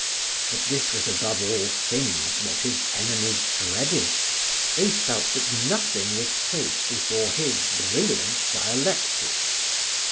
But this was above all things what his enemies dreaded. They felt that nothing was safe before his brilliant dialectic.